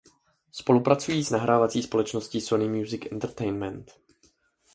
Spolupracují s nahrávací společností Sony Music Entertainment.